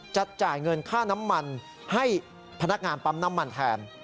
จะจ่ายเงินค่าน้ำมันให้พนักงานปั๊มน้ำมันแทน